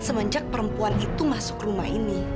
semenjak perempuan itu masuk ke rumah